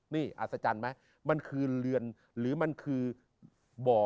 นี่อัศจรรย์ไหมมันคือเรือนหรือมันคือบ่อ